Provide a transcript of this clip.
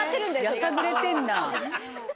やさぐれてんな。